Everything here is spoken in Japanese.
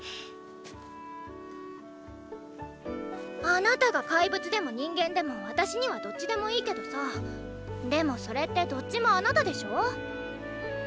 あなたが怪物でも人間でも私にはどっちでもいいけどさでもそれってどっちもあなたでしょ？